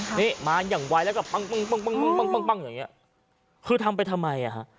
นี่มาอย่างไวแล้วก็ปั๊งอย่างเงี้ยคือทำไปทำไมอ่ะฮะ